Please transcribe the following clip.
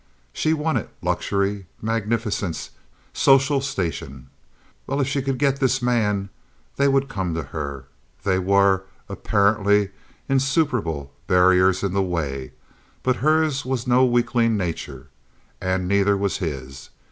She wanted luxury, magnificence, social station. Well, if she could get this man they would come to her. There were, apparently, insuperable barriers in the way; but hers was no weakling nature, and neither was his.